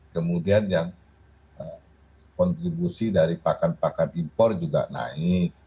kemudian yang kontribusi dari pakan pakan impor juga naik